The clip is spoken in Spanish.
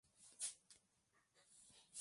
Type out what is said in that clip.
Siguió un rastro de sangre hasta llegar a un lobo.